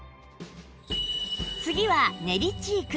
次は練りチーク